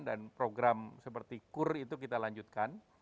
dan program seperti kur itu kita lanjutkan